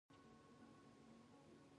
افغانستان په د افغانستان ولايتونه غني دی.